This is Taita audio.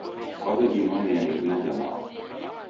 Kwaw'edinonea irina ja mao